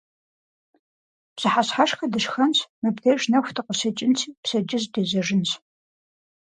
Пщыхьэщхьэшхэ дышхэнщ, мыбдеж нэху дыкъыщекӀынщи, пщэдджыжь дежьэжынщ .